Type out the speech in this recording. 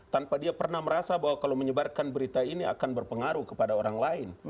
tanpa dia pernah merasa bahwa kalau menyebarkan berita ini akan berpengaruh kepada orang lain